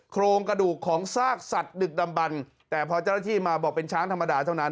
โครงกระดูกของซากสัตว์ดึกดำบันแต่พอเจ้าหน้าที่มาบอกเป็นช้างธรรมดาเท่านั้น